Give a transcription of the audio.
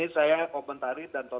saya marah hari itu